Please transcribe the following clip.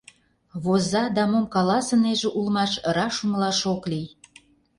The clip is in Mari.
Воза да мом каласынеже улмаш, раш умылаш ок лий.